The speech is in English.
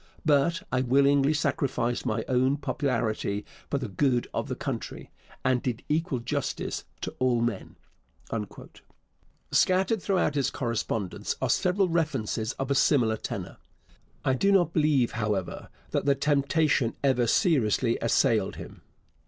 But I willingly sacrificed my own popularity for the good of the country, and did equal justice to all men. Scattered throughout his correspondence are several references of a similar tenor. I do not believe, however, that the temptation ever seriously assailed him.